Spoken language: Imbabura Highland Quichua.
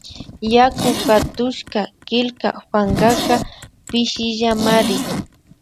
Yaku hatushka killka pankaka pishillamari